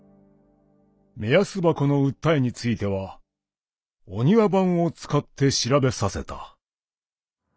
「目安箱の訴えについては御庭番を使って調べさせた」。